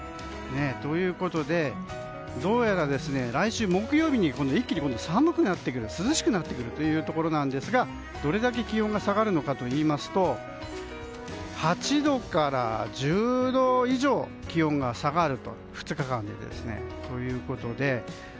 ということで、どうやら来週木曜日には一気に今度は涼しくなってくるということなんですがどれだけ気温が下がるのかといいますと８度から１０度以上気温が下がる２日間でということで。